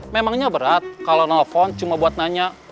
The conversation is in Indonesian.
memangnya berat kalau nelfon cuma buat nanya